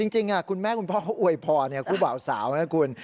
จริงคุณแม่คุณพ่ออวยพอเนี่ยครูบ่าวสาวนะคุณ